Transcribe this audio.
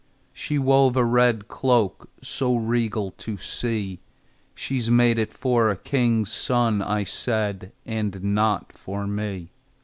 She wove a red cloak So regal to see, "She's made it for a king's son," I said, "and not for me."